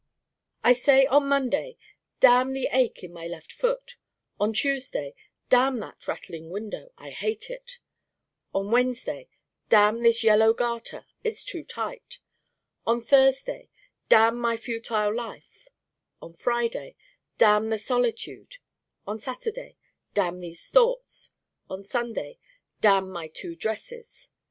I say on Monday, Damn the ache in my left foot: on Tuesday, Damn that rattling window I hate it: on Wednesday, Damn this yellow garter it's too tight: on Thursday, Damn my futile life: on Friday, Damn the solitude: on Saturday, Damn these thoughts: on Sunday, Damn my two dresses.